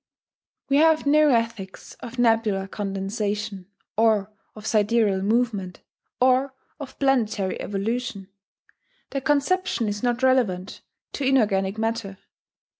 We have no ethics of nebular condensation, or of sidereal movement, or of planetary evolution; the conception is not relevant to inorganic matter.